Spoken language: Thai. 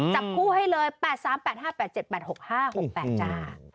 จับคู่ให้เลย๘๓๘๕๘๗๘๖๕๖๘จ้า